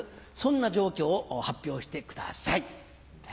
そんな状況を発表してください。